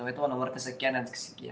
itu nomor kesekianan